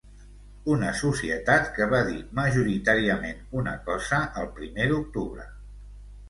Una societat que va dir majoritàriament una cosa el primer d’octubre.